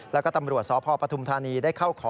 แล้วก็ตำรวจสพปฐุมธานีได้เข้าขอ